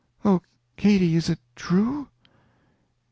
Oh, Katy, is it true?"